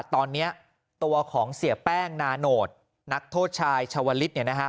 ตอนนี้ตัวของเสียแป้งนาโนธนักโทษชายชาวลิศเนี่ยนะฮะ